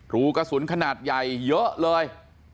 รูกระสุนขนาดใหญ่เยอะเลย